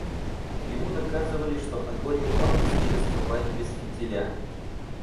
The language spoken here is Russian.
Ему доказывали, что огонь не может существовать без фитиля.